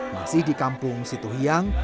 masih di kampung situhiang